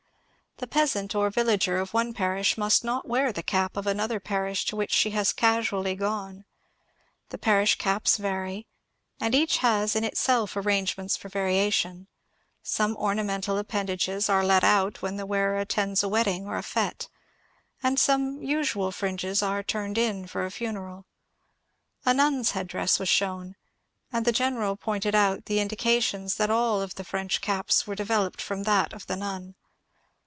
The peasant or villager of one parish must not wear the cap of another parish to which she has casually gone. The parish caps vary, and each has in itself arrangements for variation : some ornamental appendages are let out when the wearer attends a wedding or a fete, and some usual fringes are turned in for a funeral. A nun's headdress was shown, and the general pointed out the indications that all of the French caps were developed from that of the nun.